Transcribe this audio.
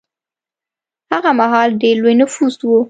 هغه مهال ډېر لوی نفوس و.